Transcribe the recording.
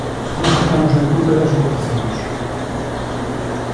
Nós estamos en contra das ocupacións.